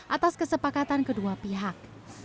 atas kesepakatan kedua pihak